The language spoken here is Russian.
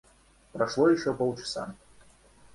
Прошло еще полчаса.